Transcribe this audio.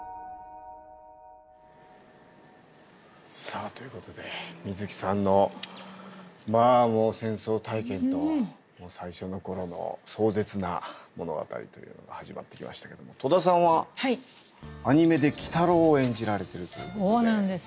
さあということで水木さんのまあもう戦争体験と最初のころの壮絶な物語というのが始まってきましたけれども戸田さんはアニメで鬼太郎を演じられているということで。